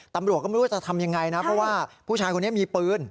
ตำรวจก็ไม่รู้ว่าจะทำยังไงนะเพราะว่าผู้ชายคนนี้มีปืน